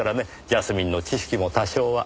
ジャスミンの知識も多少は。